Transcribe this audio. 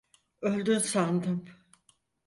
Öldün sandım.